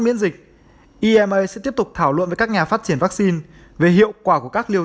miễn dịch ima sẽ tiếp tục thảo luận với các nhà phát triển vaccine về hiệu quả của các liều